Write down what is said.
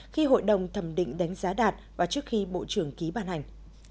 khi hội đồng thẩm định đánh giá đạt và trước khi bộ trưởng ký bàn hành